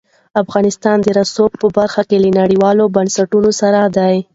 افغانستان د رسوب په برخه کې له نړیوالو بنسټونو سره دی.